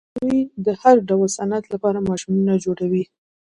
دوی د هر ډول صنعت لپاره ماشینونه جوړوي.